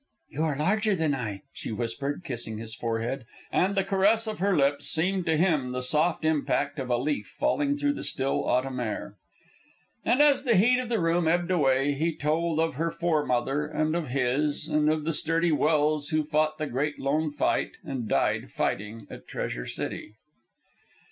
"You are larger than I," she whispered, kissing his forehead, and the caress of her lips seemed to him the soft impact of a leaf falling through the still autumn air. And as the heat of the room ebbed away, he told of her foremother and of his, and of the sturdy Welse who fought the great lone fight, and died, fighting, at Treasure City.